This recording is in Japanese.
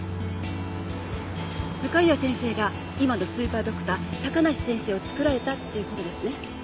向谷先生が今のスーパードクター高梨先生を作られたっていう事ですね。